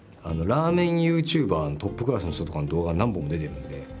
ラーメンＹｏｕＴｕｂｅｒのトップクラスの人とかの動画何本も出てるんで。